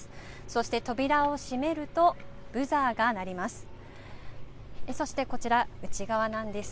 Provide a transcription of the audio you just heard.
そして扉を閉めると、ブザーが鳴ります。